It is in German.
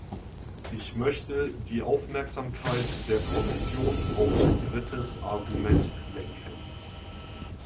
Ich möchte die Aufmerksamkeit der Kommission auf ein drittes Argument lenken.